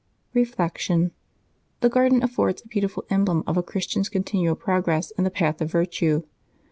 Reflection. — The garden affords a beautiful emblem of a Christian's continual progress in the path of virtue.